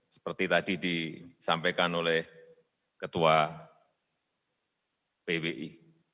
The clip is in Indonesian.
seperti tadi disampaikan oleh ketua pwi